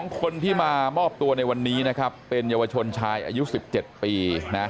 คนที่มามอบตัวในวันนี้นะครับเป็นเยาวชนชายอายุ๑๗ปี